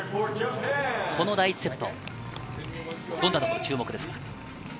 この第１セット、どんなところ注目ですか？